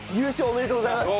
おめでとうございます。